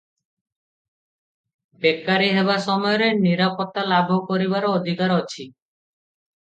ବେକାରି ହେବା ସମୟରେ ନିରାପତ୍ତା ଲାଭ କରିବାର ଅଧିକାର ଅଛି ।